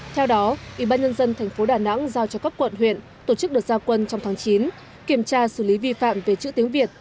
theo đó ủy ban nhân dân thành phố đà nẵng giao cho các quận huyện tổ chức đợt giao quân trong tháng chín kiểm tra xử lý vi phạm về chữ tiếng việt